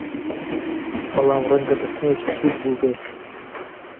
بەڵام ڕەنگە دەستنوێژت سووک بووبێ!